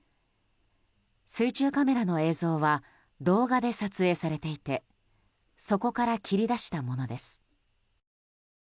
水中カメラの映像は動画で撮影されていてそこから切り出したものです。